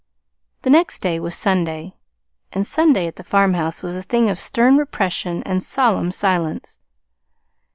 The next day was Sunday, and Sunday at the farmhouse was a thing of stern repression and solemn silence.